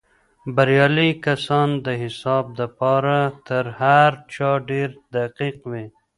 بريالي کسان د حساب دپاره تر هر چا ډېر دقیق وي.